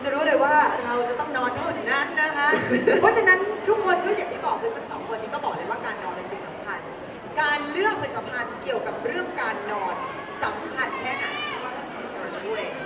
การเลือกเหมือนกับมันเกี่ยวกับเรื่องการนอนสำคัญแทนไหน